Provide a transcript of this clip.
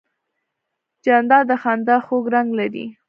جانداد د خندا خوږ رنګ لري.